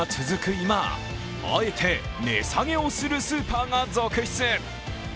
今、あえて値下げをするスーパーが続出。